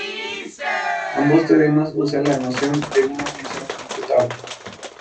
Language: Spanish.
Ambos teoremas usan la noción de una función computable.